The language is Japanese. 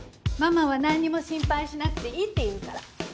ママは何にも心配しなくていいって言うから。